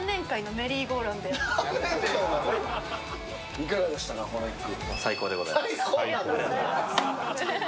いかがでしたか、この１句。